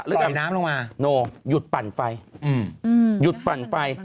ดำน้ำลงมาโน่หยุดปั่นไฟหยุดปั่นไฟ